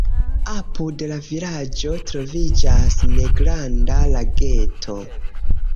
Apud la vilaĝo troviĝas negranda lageto.